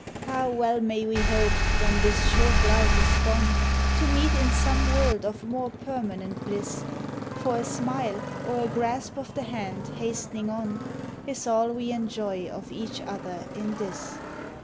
Ah, well may we hope, when this short life is gone, To meet in some world of more permanent bliss; For a smile, or a grasp of the hand, hast'ning on, Is all we enjoy of each other in this.